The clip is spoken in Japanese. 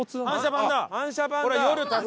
反射板だ！